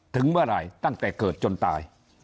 ถึงเมื่อไหร่ตั้งแต่เกิดจนตาย